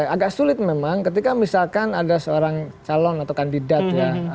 agak sulit memang ketika misalkan ada seorang calon atau kandidat ya